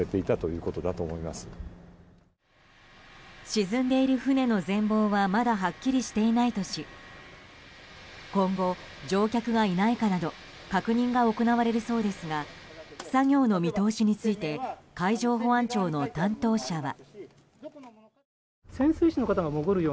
沈んでいる船の全貌はまだはっきりしていないとし今後、乗客がいないかなど確認が行われるそうですが作業の見通しについて海上保安庁の担当者は。